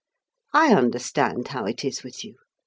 I understand how it is with you.